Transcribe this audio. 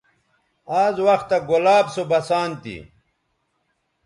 آز وختہ گلاب سو بسان تھی